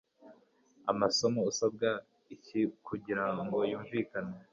Amasomo Usabwa iki kugira yumvikane